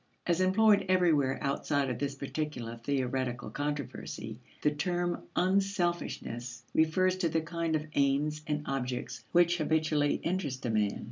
As employed everywhere outside of this particular theoretical controversy, the term "unselfishness" refers to the kind of aims and objects which habitually interest a man.